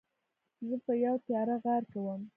زه په یوه تیاره غار کې وم.